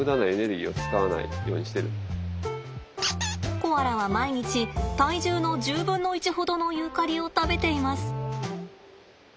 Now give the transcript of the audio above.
コアラは毎日体重の１０分の１ほどのユーカリを食べています。